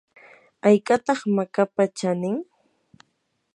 ¿haykataq makapa chanin?